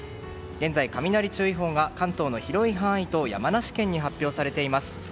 現在、雷注意報が関東の広い範囲と山梨県に発表されています。